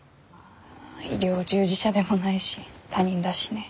医療従事者でもないし他人だしね。